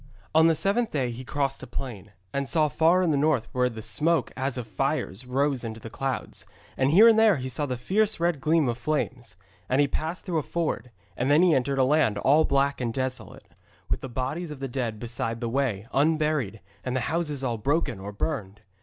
On the seventh day he crossed a plain, and saw far in the north where the smoke as of fires rose into the clouds, and here and there he saw the fierce red gleam of flames. And he passed through a ford, and then he entered a land all black and desolate, with the bodies of the dead beside the way, unburied, and the houses all broken or burned.